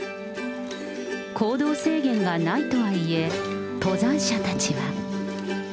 行動制限がないとはいえ、登山者たちは。